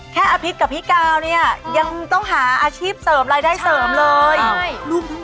อภิษกับพี่กาวเนี่ยยังต้องหาอาชีพเสริมรายได้เสริมเลย